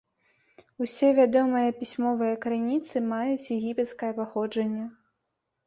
Усе вядомыя пісьмовыя крыніцы маюць егіпецкае паходжанне.